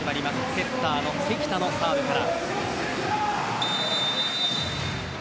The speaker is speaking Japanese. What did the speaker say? セッターの関田のサーブから。